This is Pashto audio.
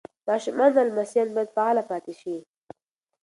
ماشومان او لمسیان باید فعاله پاتې شي.